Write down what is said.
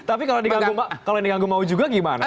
tapi kalau diganggu mau juga gimana